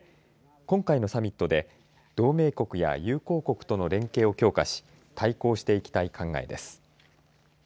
今回のサミットで同盟国や友好国との連携を強化し対抗していきたい考えです。